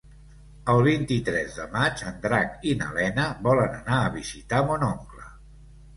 El vint-i-tres de maig en Drac i na Lena volen anar a visitar mon oncle.